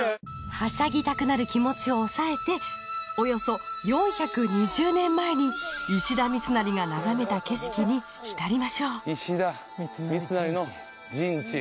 はしゃぎたくなる気持ちを抑えておよそ４２０年前に石田三成が眺めた景色にひたりましょう石田三成の陣地。